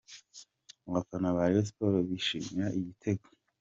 Abafana ba Rayon Sports bishimira igitego.